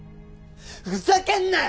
ふざけんなよ！